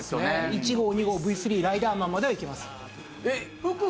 １号２号Ｖ３ライダーマンまではいけます。